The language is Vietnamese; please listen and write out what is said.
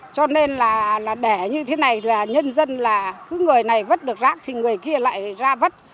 cho nên là để như thế này là nhân dân là cứ người này vứt được rác thì người kia lại ra vứt